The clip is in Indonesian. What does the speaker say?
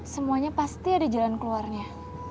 semuanya pasti ada jalan keluarnya